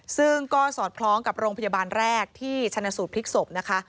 ซึ่งก็สอดคล้องกับโรงพยาบาลแรกที่ชนะสูตรพลิกศพนะคะ